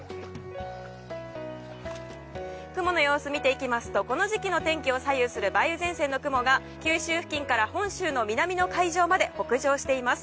雲の様子を見ていきますとこの時期の天気を左右する梅雨前線の雲が九州付近から本州の南の海上まで北上しています。